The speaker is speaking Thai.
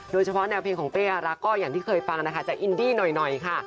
โดยเฉพาะแนวเพลงของเป้อารักก็อย่างที่เคยฟังนะคะจะอินดี้หน่อยค่ะ